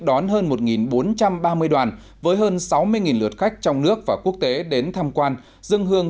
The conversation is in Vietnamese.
đón hơn một bốn trăm ba mươi đoàn với hơn sáu mươi lượt khách trong nước và quốc tế đến tham quan dân hương